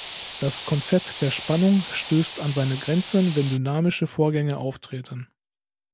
Das Konzept der Spannung stößt an seine Grenzen, wenn dynamische Vorgänge auftreten.